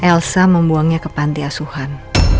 elsa membuangnya ke panti asuhan